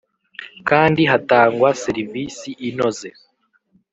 kandi hatangwa serivisi inoze,